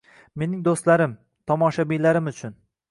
Mening do‘stlarim, tomoshabinlarim uchun.